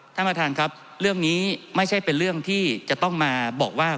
ท่านประธานครับเรื่องนี้ไม่ใช่เป็นเรื่องที่จะต้องมาบอกว่า